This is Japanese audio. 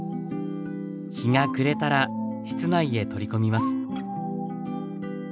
日が暮れたら室内へ取り込みます。